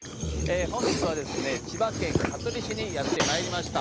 本日はですね千葉県香取市にやってまいりました。